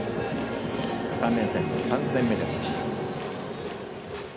３連戦の３戦目です。